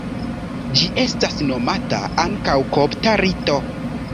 Ĝi estas nomata ankaŭ kopta rito.